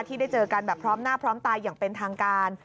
ที่ได้เจอกันแบบพร้อมหน้าพร้อมตาอย่างเป็นทางการ